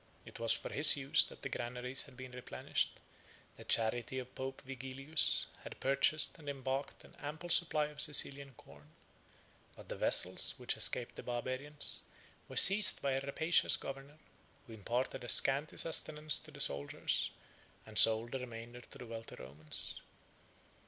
It was for his use that the granaries had been replenished: the charity of Pope Vigilius had purchased and embarked an ample supply of Sicilian corn; but the vessels which escaped the Barbarians were seized by a rapacious governor, who imparted a scanty sustenance to the soldiers, and sold the remainder to the wealthy Romans.